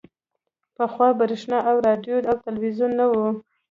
پخوا برېښنا او راډیو او ټلویزیون نه وو